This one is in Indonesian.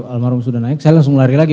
almarhum sudah naik saya langsung lari lagi